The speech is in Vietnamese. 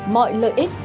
mọi lợi ích